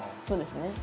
そうですね。